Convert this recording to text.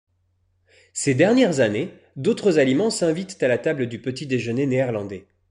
Ces dernières années, d'autres aliments s'invitent à la table du petit déjeuner néerlandais.